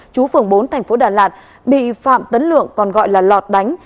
chú phường bốn thành phố đà lạt bị phạm tấn lượng còn gọi là lọt đánh